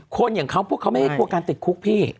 คนอย่างเขาพวกเขาไม่ได้กลัวการติดคุกพี่